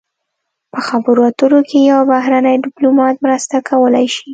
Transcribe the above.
په خبرو اترو کې یو بهرنی ډیپلومات مرسته کولی شي